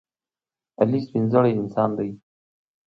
علي سپینزړی انسان دی.